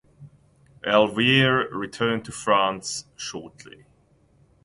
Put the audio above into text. Elvire returned to France shortly.